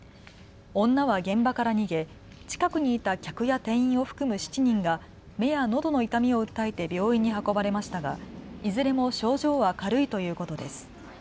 女は現場から逃げ、近くにいた客や店員を含む７人が目やのどの痛みを訴えて病院に運ばれましたが、いずれも症状は軽いということです。